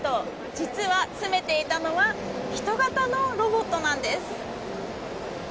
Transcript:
実は、詰めていたのは人型のロボットなんです。